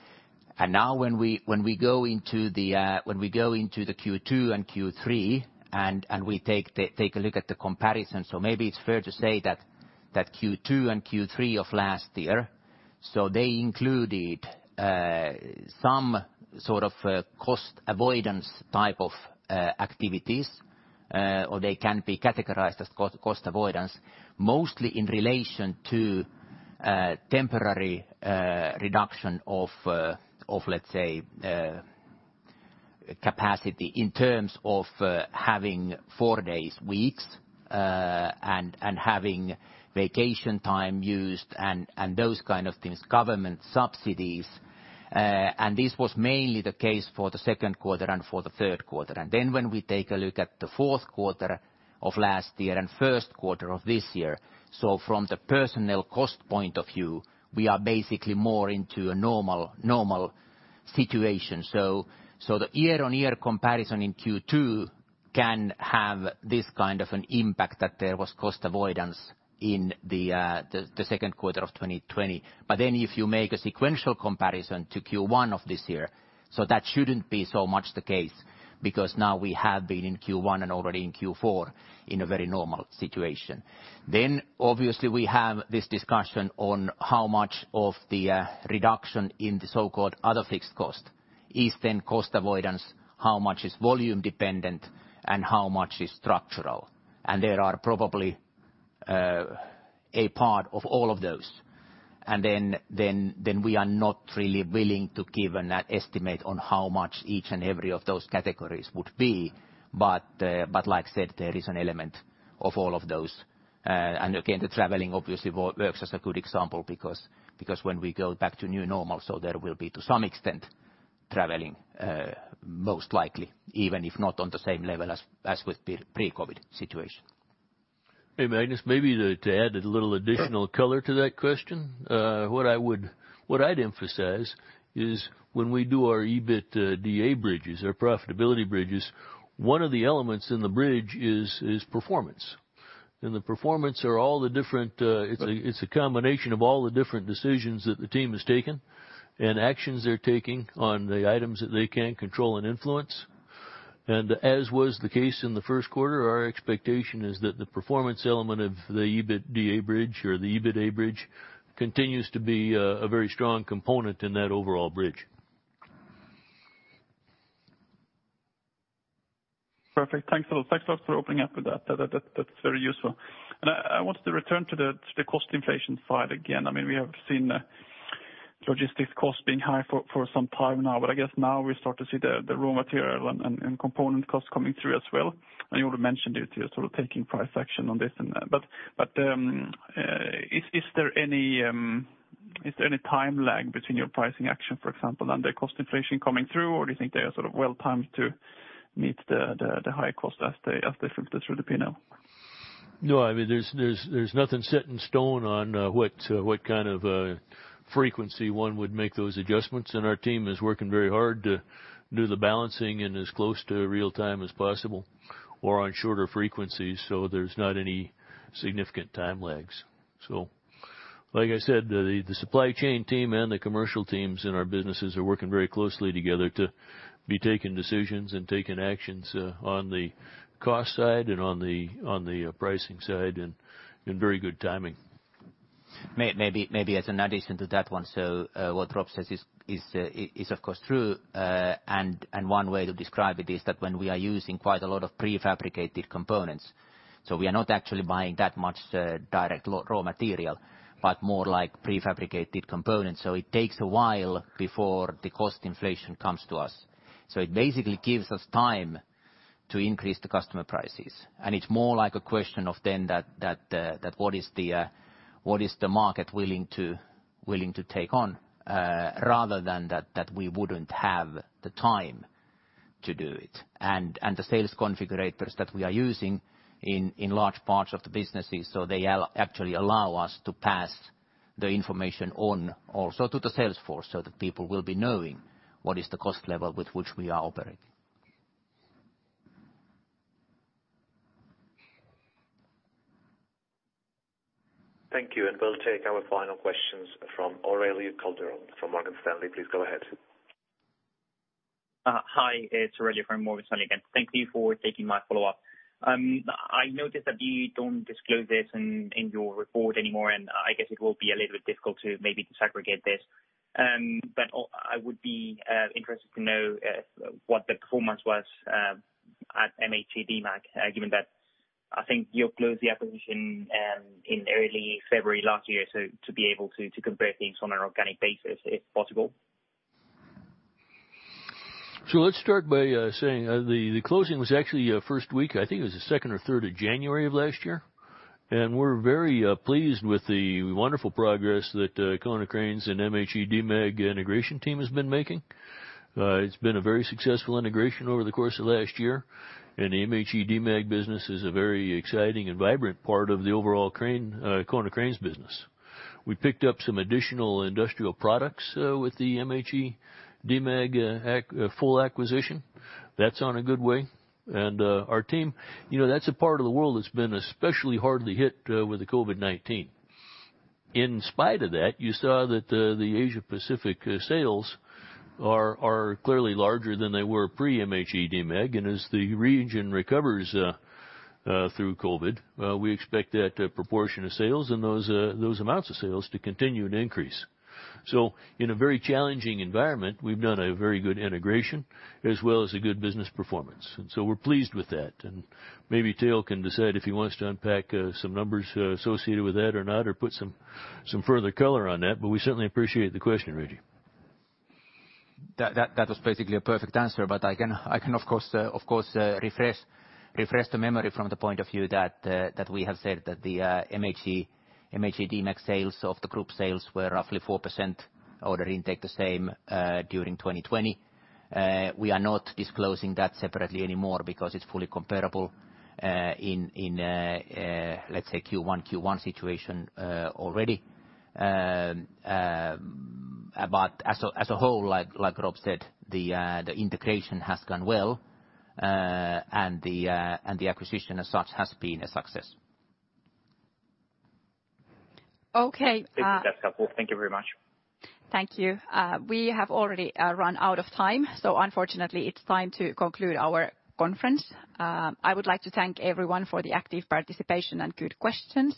Now when we go into the Q2 and Q3 and we take a look at the comparison. Maybe it's fair to say that Q2 and Q3 of last year, they included some sort of cost avoidance type of activities or they can be categorized as cost avoidance mostly in relation to temporary reduction of let's say capacity in terms of having four-day weeks and having vacation time used and those kind of things. Government subsidies. This was mainly the case for the second quarter and for the third quarter. When we take a look at the fourth quarter of last year and first quarter of this year. From the personnel cost point of view, we are basically more into a normal situation. The year-on-year comparison in Q2 can have this kind of an impact, that there was cost avoidance in the second quarter of 2020. If you make a sequential comparison to Q1 of this year, that shouldn't be so much the case, because now we have been in Q1 and already in Q4 in a very normal situation. Obviously, we have this discussion on how much of the reduction in the so-called other fixed cost is then cost avoidance, how much is volume dependent, and how much is structural. There are probably a part of all of those. We are not really willing to give an estimate on how much each and every of those categories would be. Like I said, there is an element of all of those. Again, the traveling obviously works as a good example because when we go back to new normal, there will be, to some extent, traveling, most likely, even if not on the same level as with pre-COVID situation. Hey, Magnus, maybe to add a little additional color to that question. What I'd emphasize is when we do our EBITDA bridges, our profitability bridges, one of the elements in the bridge is performance. The performance, it's a combination of all the different decisions that the team has taken and actions they're taking on the items that they can control and influence. As was the case in the first quarter, our expectation is that the performance element of the EBITDA bridge or the EBITDA bridge continues to be a very strong component in that overall bridge. Perfect. Thanks a lot for opening up with that. That's very useful. I wanted to return to the cost inflation side again. We have seen logistics costs being high for some time now, but I guess now we start to see the raw material and component costs coming through as well. You would have mentioned it, you're sort of taking price action on this and that. Is there any time lag between your pricing action, for example, and the cost inflation coming through, or do you think they are sort of well-timed to meet the high cost as they filter through the P&L? No, there's nothing set in stone on what kind of frequency one would make those adjustments. Our team is working very hard to do the balancing in as close to real time as possible, or on shorter frequencies, so there's not any significant time lags. Like I said, the supply chain team and the commercial teams in our businesses are working very closely together to be taking decisions and taking actions on the cost side and on the pricing side in very good timing. Maybe as an addition to that one, what Rob says is of course true. One way to describe it is that when we are using quite a lot of prefabricated components, so we are not actually buying that much direct raw material, but more like prefabricated components. It takes a while before the cost inflation comes to us. It basically gives us time to increase the customer prices. It's more like a question of then that what is the market willing to take on, rather than that we wouldn't have the time to do it. The sales configurators that we are using in large parts of the businesses, so they actually allow us to pass the information on also to the sales force so that people will be knowing what is the cost level with which we are operating. Thank you. We'll take our final questions from Aurelio Calderón from Morgan Stanley. Please go ahead. Hi, it's Aurelio from Morgan Stanley again. Thank you for taking my follow-up. I noticed that you don't disclose this in your report anymore, and I guess it will be a little bit difficult to maybe disaggregate this. I would be interested to know what the performance was at MHE-Demag, given that I think you closed the acquisition in early February last year, so to be able to compare things on an organic basis, if possible. Let's start by saying the closing was actually first week, I think it was the 2nd or 3rd of January of last year. We're very pleased with the wonderful progress that Konecranes and MHE-Demag integration team has been making. It's been a very successful integration over the course of last year, and the MHE-Demag business is a very exciting and vibrant part of the overall Konecranes business. We picked up some additional industrial products with the MHE-Demag full acquisition. That's on a good way. Our team, that's a part of the world that's been especially hardly hit with the COVID-19. In spite of that, you saw that the Asia Pacific sales are clearly larger than they were pre MHE-Demag, and as the region recovers through COVID, we expect that proportion of sales and those amounts of sales to continue to increase. In a very challenging environment, we've done a very good integration as well as a good business performance. We're pleased with that. Maybe Teo can decide if he wants to unpack some numbers associated with that or not or put some further color on that. We certainly appreciate the question, Aurelio. That was basically a perfect answer. I can of course refresh the memory from the point of view that we have said that the MHE-Demag sales of the group sales were roughly 4%, order intake the same, during 2020. We are not disclosing that separately anymore because it's fully comparable in, let's say Q1 situation already. As a whole, like Rob said, the integration has gone well, and the acquisition as such has been a success. Thank you. That's helpful. Thank you very much. Okay. Thank you. We have already run out of time, unfortunately, it's time to conclude our conference. I would like to thank everyone for the active participation and good questions.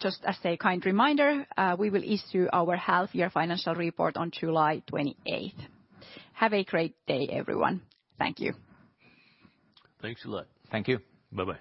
Just as a kind reminder, we will issue our half year financial report on July 28th. Have a great day, everyone. Thank you. Thanks a lot. Thank you. Bye-bye.